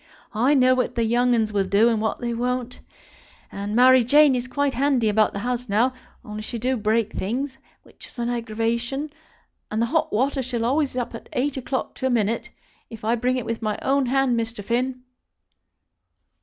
I know what the young 'uns will do, and what they won't. And Mary Jane is quite handy about the house now, only she do break things, which is an aggravation; and the hot water shall be always up at eight o'clock to a minute, if I bring it with my own hand, Mr. Finn." [Illustration: "Well, then, I won't mention her name again."